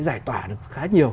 giải tỏa được khá nhiều